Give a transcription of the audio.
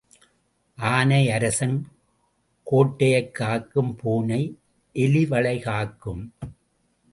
ஆனை அரசன் கோட்டையைக் காக்கும் பூனை எலிவளையைக்காக்கும்.